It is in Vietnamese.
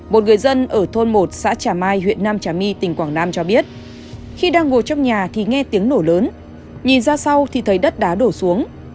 một người dân ở thôn một xã trà mai huyện nam trà my tỉnh quảng nam cho biết khi đang ngồi trong nhà thì nghe tiếng nổ lớn nhìn ra sau thì thấy đất đá đổ xuống